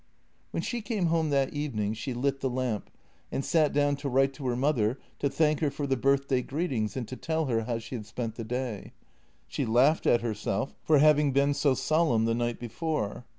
When she came home that evening she lit the lamp and sat down to write to her mother to thank her for the birthday greet ings and tell her how she had spent the day. She laughed at herself for having been so solemn the night before.